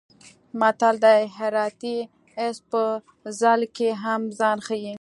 متل دی: هراتی اس په ځل کې هم ځان ښي.